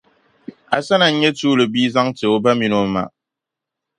Asana n-nyɛ tuuli bia zaŋ n-ti o ba mini ma.